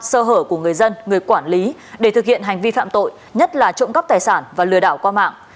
sơ hở của người dân người quản lý để thực hiện hành vi phạm tội nhất là trộm cắp tài sản và lừa đảo qua mạng